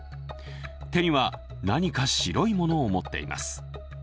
手には何か白いものを持っています。